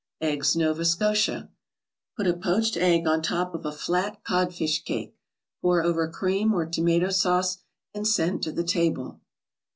EGGS NOVA SCOTIA Put a poached egg on top of a flat codfish cake, pour over cream or tomato sauce, and send to the table.